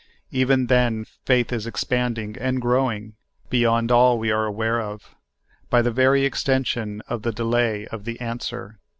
Even then faith is ex panding and growing beyond all we are aware of, by the very extension of the delay of the answer.